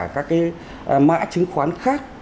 các cái mã chứng khoán khác